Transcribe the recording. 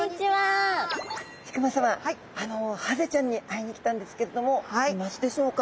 引馬さまハゼちゃんに会いに来たんですけれどもいますでしょうか？